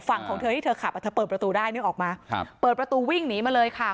ของเธอที่เธอขับอ่ะเธอเปิดประตูได้นึกออกมาครับเปิดประตูวิ่งหนีมาเลยค่ะ